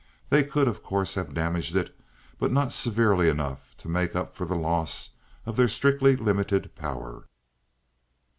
They could, of course, have damaged it, but not severely enough to make up for the loss of their strictly limited power.